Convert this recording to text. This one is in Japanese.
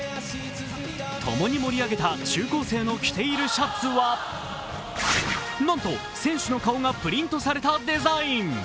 共に盛り上げた中高生の着ているシャツはなんと選手の顔がプリントされたデザイン。